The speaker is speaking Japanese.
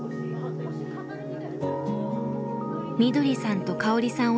みどりさんと香織さん